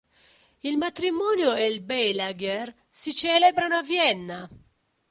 Il matrimonio e il "Beilager" si celebrano a Vienna.